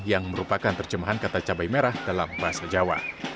yang merupakan terjemahan kata cabai merah dalam bahasa jawa